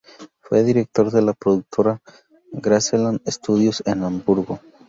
Fue director de la productora Graceland-Studios, en Hamburgo.